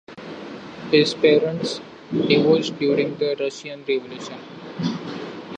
His parents divorced during the Russian Revolution.